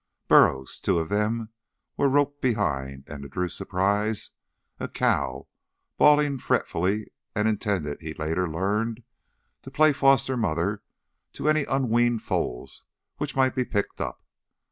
Burros—two of them—were roped behind and, to Drew's surprise, a cow, bawling fretfully and intended, he later learned, to play foster mother to any unweaned foals which might be picked up.